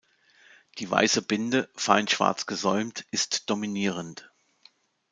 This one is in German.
Die weiße Binde, fein schwarz gesäumt, ist dominierend.